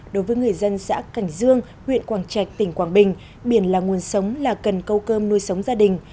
đối với người dân xã cảnh dương huyện quảng trạch tỉnh quảng bình biển là nguồn sống là cần câu cơm nuôi sống gia đình